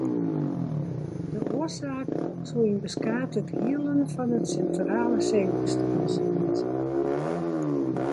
De oarsaak soe yn beskate dielen fan it sintrale senuwstelsel lizze.